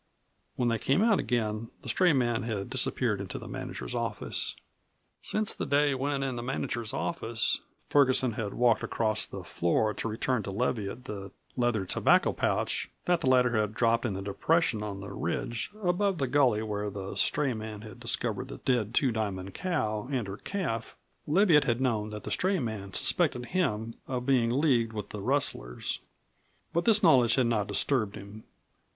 When they came out again the stray man had disappeared into the manager's office. Since the day when in the manager's office, Ferguson had walked across the floor to return to Leviatt the leather tobacco pouch that the latter had dropped in the depression on the ridge above the gully where the stray man had discovered the dead Two Diamond cow and her calf, Leviatt had known that the stray man suspected him of being leagued with the rustlers. But this knowledge had not disturbed him.